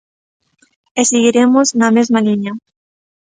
E seguiremos na mesma liña.